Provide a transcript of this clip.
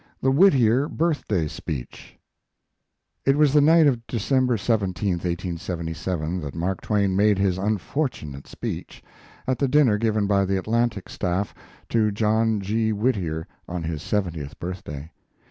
CXIV. THE WHITTIER BIRTHDAY SPEECH It was the night of December 17, 1877, that Mark Twain made his unfortunate speech at the dinner given by the Atlantic staff to John G. Whittier on his seventieth birthday.